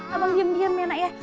abang diam diam ya nak ya